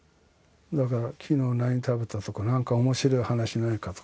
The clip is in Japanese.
だから昨日何食べたとかなんか面白い話ないかとか。